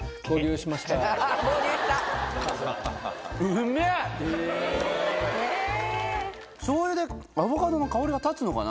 しょうゆでアボカドの香りが立つのかな？